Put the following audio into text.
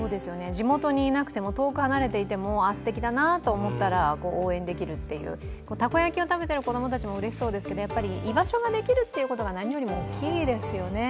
地元にいなくても、遠く離れていてもすてきだなと思ったら応援できるっていう、たこ焼きを食べている子供たちもうれしそうですけど居場所ができるってことが何よりもいいですよね。